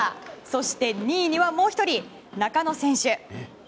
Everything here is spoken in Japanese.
そして２位にはもう１人中野選手。